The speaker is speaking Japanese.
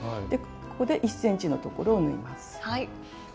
ここで１ｃｍのところを縫います。